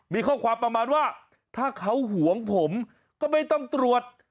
มีข้อความประมาณว่าถ้าเขาห่วงผมก็ไม่ต้องตรวจ